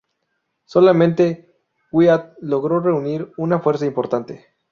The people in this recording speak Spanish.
Solamente Wyatt logró reunir una fuerza importante.